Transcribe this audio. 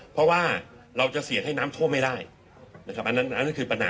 เพราะว่าเราจะเสี่ยงให้น้ำท่วมไม่ได้นะครับอันนั้นอันนั้นคือปัญหา